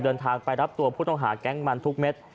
เดินทางไปรับตัวผู้ต้องหาแก๊งมันทุกเม็ด